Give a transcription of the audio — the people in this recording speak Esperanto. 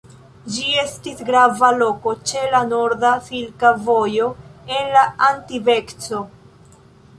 Ĝi estis grava loko ĉe la norda Silka Vojo en la antikveco.